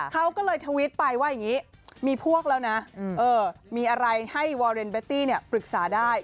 เขาก็เลยทวิตไปว่าอย่างนี้มีพวกแล้วนะมีอะไรให้วอเรนเบตตี้ปรึกษาได้